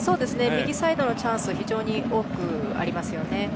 右サイドからのチャンスが非常に多くありますね。